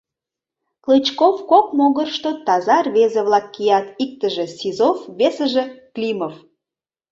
Клычков кок могырышто таза рвезе-влак кият: иктыже — Сизов, весыже — Климов.